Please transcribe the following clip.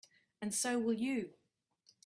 And so will you.